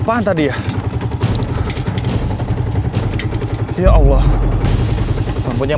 kalang sayur terjual semua